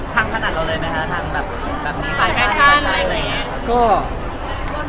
พังขนาดเราเลยไหมครับทางแฟนแคชั่นอะไรอย่างนี้